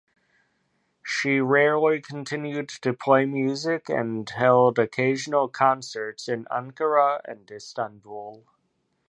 She rarely continued to play music and held occasional concerts in Ankara and Istanbul.